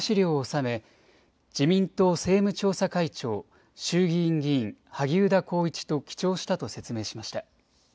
納め自民党政務調査会長衆議院議員萩生田光一と記帳したと説明しました。